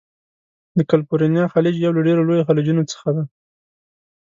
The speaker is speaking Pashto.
د کلفورنیا خلیج یو له ډیرو لویو خلیجونو څخه دی.